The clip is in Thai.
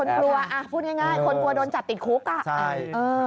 คนกลัวพูดง่ายคนกลัวโดนจัดติดคุก